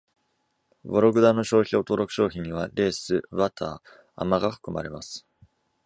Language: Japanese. ヴォログダの商標登録商品には、レース、バター、亜麻が含まれます。